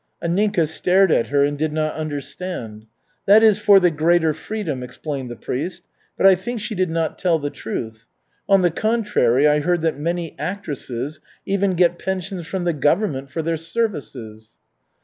Anninka stared at her and did not understand. "That is for the greater freedom," explained the priest. "But I think she did not tell the truth. On the contrary, I heard that many actresses even get pensions from the government for their services."